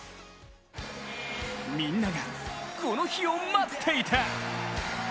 みんながこの日を待っていた！